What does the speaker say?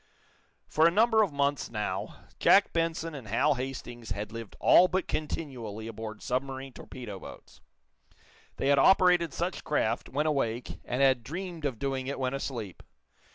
For a number of months, now, Jack Benson and Hal Hastings had lived all but continually aboard submarine torpedo boats. They had operated such craft, when awake, and had dreamed of doing it when asleep.